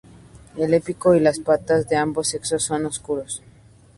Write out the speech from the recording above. El pico y las patas de ambos sexos son oscuros.